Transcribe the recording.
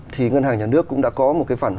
thì ngân hàng nhà nước cũng đã có một cái phản